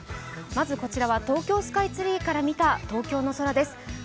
まずこちらは東京スカイツリーから見た東京の空です。